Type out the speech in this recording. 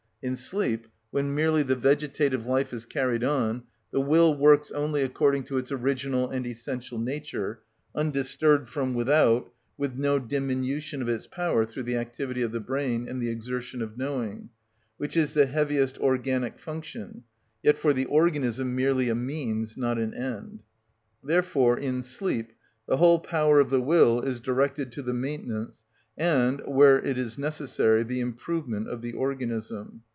In sleep, when merely the vegetative life is carried on, the will works only according to its original and essential nature, undisturbed from without, with no diminution of its power through the activity of the brain and the exertion of knowing, which is the heaviest organic function, yet for the organism merely a means, not an end; therefore, in sleep the whole power of the will is directed to the maintenance and, where it is necessary, the improvement of the organism.